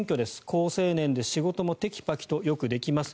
好青年で仕事もテキパキとよくできます。